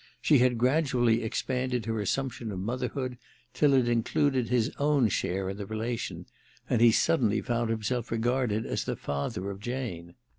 She had gradually expanded her assumption of motherhood till it included his own share in the relation, and he suddenly found himself regarded as the father of Jane.